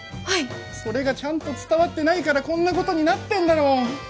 はいそれがちゃんと伝わってないからこんなことになってんだろ！